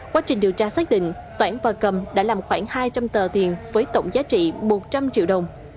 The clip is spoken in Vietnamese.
quá trình điều tra xác định toãn và cầm đã làm khoảng hai trăm linh tờ tiền với tổng giá trị một trăm linh triệu đồng